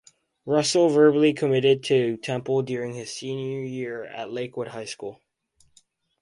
Russell verbally committed to Temple during his senior year at Lakewood High School.